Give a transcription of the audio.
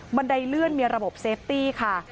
ไดเลื่อนมีระบบเซฟตี้ค่ะ